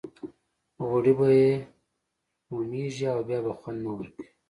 غوړي به یې مومېږي او بیا به خوند نه ورکوي.